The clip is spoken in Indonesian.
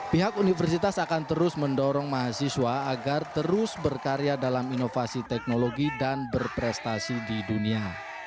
pihak universitas akan terus mendorong mahasiswa agar terus berkarya dalam inovasi teknologi dan berprestasi di dunia